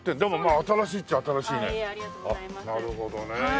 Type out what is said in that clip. あっなるほどね。